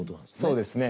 そうですね。